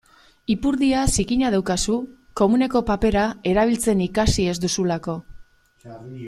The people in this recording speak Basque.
Ipurdia zikina daukazu komuneko papera erabiltzen ikasi ez duzulako.